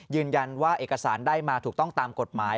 ยืนยันว่าเอกสารได้มาถูกต้องตามกฎหมาย